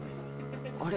「あれ？